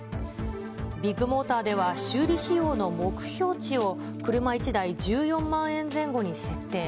ビッグモーターでは修理費用の目標値を車１台１４万円前後に設定。